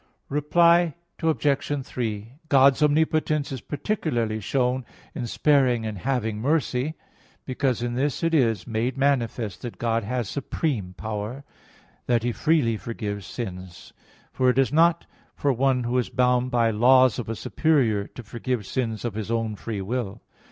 Reply Obj. 3: God's omnipotence is particularly shown in sparing and having mercy, because in this is it made manifest that God has supreme power, that He freely forgives sins. For it is not for one who is bound by laws of a superior to forgive sins of his own free will.